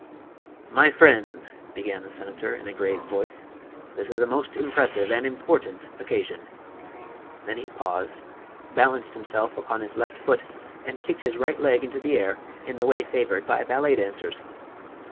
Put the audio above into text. "My friends," began the senator, in a grave voice, "this is a most impressive and important occasion." Then he paused, balanced himself upon his left foot, and kicked his right leg into the air in the way favored by ballet dancers!